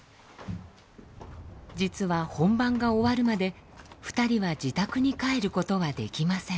実は本番が終わるまで２人は自宅に帰ることができません。